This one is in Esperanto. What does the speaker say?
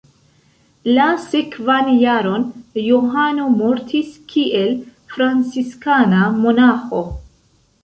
La sekvan jaron Johano mortis kiel franciskana monaĥo.